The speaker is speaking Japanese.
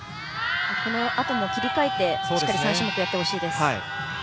このあとも切り替えてしっかり３種目やってほしいです。